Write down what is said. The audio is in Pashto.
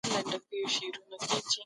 هر سياسي سيستم خپله ځانګړې ايډيالوژي لري.